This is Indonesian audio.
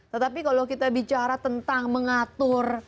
tetapi kalau kita bicara tentang mengatur